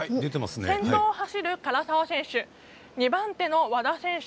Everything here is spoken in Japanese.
先頭を走る、唐澤選手２番手の和田選手。